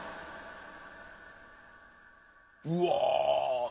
うわ。